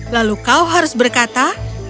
lalu kau harus berkata